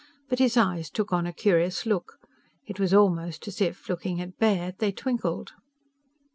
But his eyes took on a curious look. It was almost as if, looking at Baird, they twinkled.